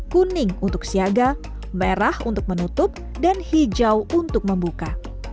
kuning untuk siaga merah untuk menutup dan hijau untuk membuka